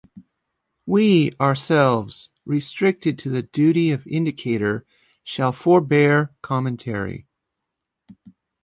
We ourselves, restricted to the duty of indicator, shall forbear commentary.